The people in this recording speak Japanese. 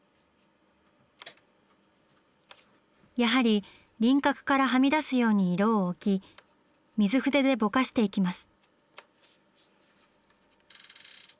やはり輪郭からはみ出すように色を置き水筆でぼかしていきます。